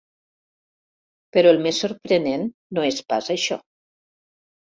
Però el més sorprenent no és pas això.